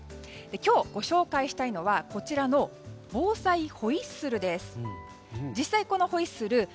今日、ご紹介したいのはこちらの防災ホイッスルです。